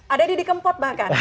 ada didi kempot bahkan